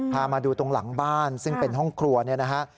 พามาดูตรงหลังบ้านซึ่งเป็นห้องครัวเนี่ยนะฮะ